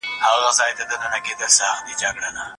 که مغول نه وای، تاریخ به بل ډول و.